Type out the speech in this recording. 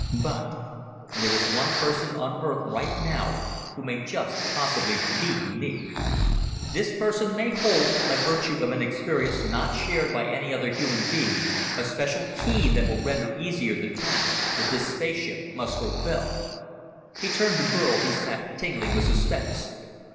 But there is one person on Earth right now who may just possibly be unique. This person may hold, by virtue of an experience not shared by any other human being, a special key that will render easier the task that this spaceship must fulfill." He turned to Burl, who sat tingling with suspense.